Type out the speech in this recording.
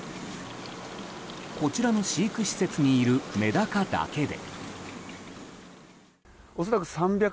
こちらの飼育施設にいるメダカだけで。